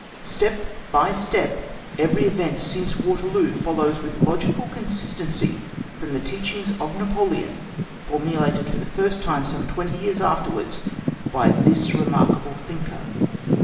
Step by step, every event since Waterloo follows with logical consistency from the teachings of Napoleon, formulated for the first time, some twenty years afterwards, by this remarkable thinker.